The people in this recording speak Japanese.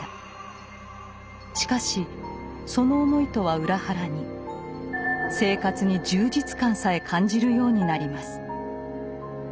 しかしその思いとは裏腹に生活に充実感さえ感じるようになります。